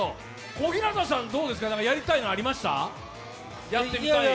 小日向さん、どうですかやってみたい競技ありました？